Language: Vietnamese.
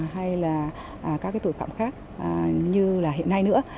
hay là các cái tội phạm khác như là hiện nay nữa